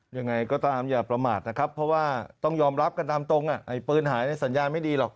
ยังไงก็ตามอย่าประมาทนะครับเพราะว่าต้องยอมรับกันตามตรงไอ้ปืนหายในสัญญาณไม่ดีหรอก